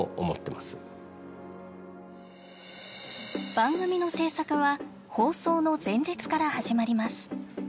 番組の制作は放送の前日から始まります。